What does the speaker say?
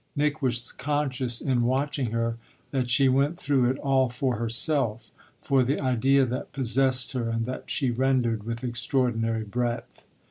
Nick was conscious in watching her that she went through it all for herself, for the idea that possessed her and that she rendered with extraordinary breadth.